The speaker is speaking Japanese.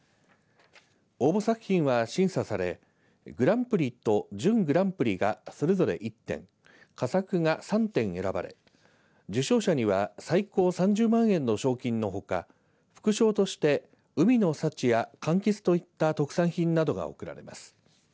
応募作品は審査されグランプリと準グランプリがそれぞれ１点佳作が３点選ばれ受賞者には最高３０万円の賞金のほか副賞として海の幸や、かんきつといった特産品などが贈られます。